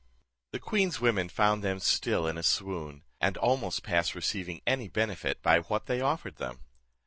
The queen's women found them still in a swoon, and almost past receiving any benefit by what they offered them.